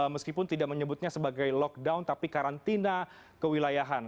meskipun tidak menyebutnya sebagai lockdown tapi karantina kewilayahan